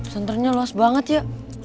senternya luas banget ya